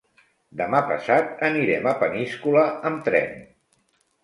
Demà passat anirem a Peníscola amb tren.